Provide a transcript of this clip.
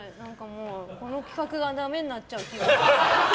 この企画がダメになっちゃう気がする。